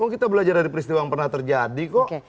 kita belajar dari peristiwa yang pernah terjadi kok